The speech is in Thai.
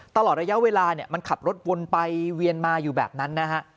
ตลอดระยะเวลาเนี่ยมันขับรถวนไปเวียนมาอยู่แบบนั้นนะฮะ